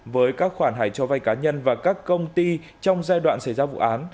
với các khoản hải cho vay cá nhân và các công ty trong giai đoạn xảy ra vụ án